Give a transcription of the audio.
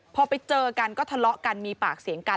พอไปเจอกันก็ทะเลาะกันมีปากเสียงกัน